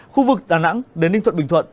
khu vực đà nẵng đến ninh thuận bình thuận